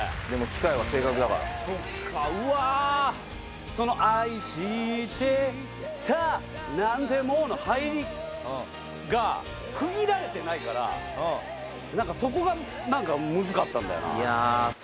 そっかうわっその「愛してたなんてもう」の入りが区切られてないから何かそこが何かムズかったんだよな